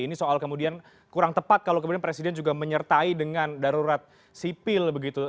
ini soal kemudian kurang tepat kalau kemudian presiden juga menyertai dengan darurat sipil begitu